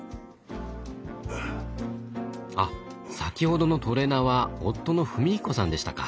あ先ほどのトレーナーは夫の史彦さんでしたか。